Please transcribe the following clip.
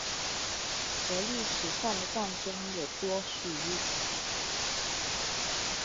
而历史上的战争也多属于此。